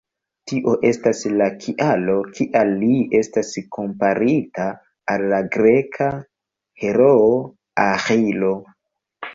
Tio estas la kialo kial li estas komparita al la greka heroo Aĥilo.